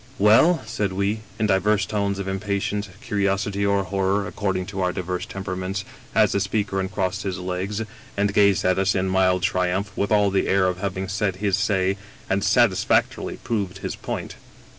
" Well ?'* said we, in divers tones of impatience, curios ity, or horror, according to our divers temperaments, as the speaker uncrossed his legs and gazed at us in mild tri umph, with all the air of having said his say, and satis factorily proved his point.